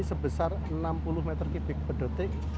sebesar enam puluh m tiga per detik